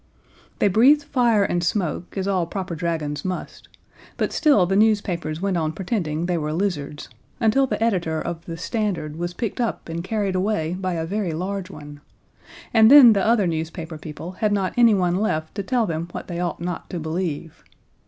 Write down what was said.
They breathed fire and smoke, as all proper dragons must, but still the newspapers went on pretending they were lizards, until the editor of the Standard was picked up and carried away by a very large one, and then the other newspaper people had not anyone left to tell them what they ought not to believe.